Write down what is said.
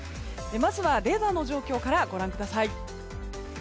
まずは、レーダーの状況からご覧ください。